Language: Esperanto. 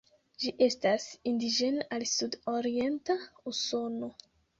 Ĝi estas indiĝena al Sud-orienta Usono.